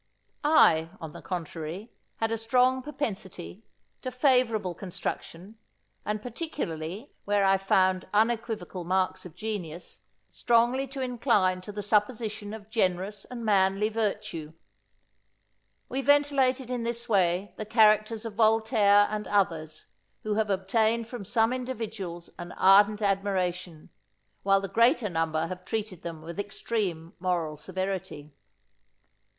I, on the contrary, had a strong propensity, to favourable construction, and particularly, where I found unequivocal marks of genius, strongly to incline to the supposition of generous and manly virtue. We ventilated in this way the characters of Voltaire and others, who have obtained from some individuals an ardent admiration, while the greater number have treated them with extreme moral severity.